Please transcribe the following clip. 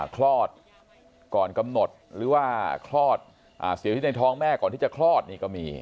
คลอดก่อนกำหนดหรือว่าคลอดเสียชีวิตในท้องแม่ก่อนที่จะคลอดนี่ก็มี